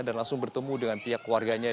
dan langsung bertemu dengan pihak keluarganya